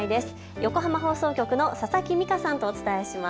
横浜放送局の佐々木美佳さんとお伝えします。